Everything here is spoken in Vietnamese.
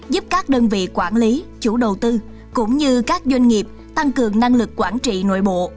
giúp các đơn vị quản lý chủ đầu tư cũng như các doanh nghiệp tăng cường năng lực quản trị nội bộ